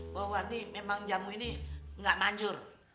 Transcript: bahwa nih memang jamu ini gak manjur